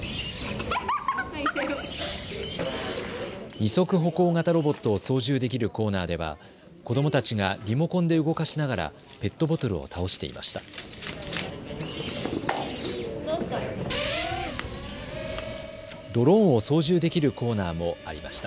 ２足歩行型ロボットを操縦できるコーナーでは子どもたちがリモコンで動かしながらペットボトルを倒していました。